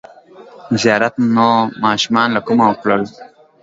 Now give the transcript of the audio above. ـ زیارت نوماشومان له کومه کړل!